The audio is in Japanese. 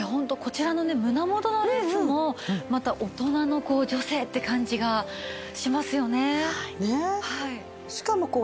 こちらのね胸元のレースもまた大人の女性って感じがしますよね。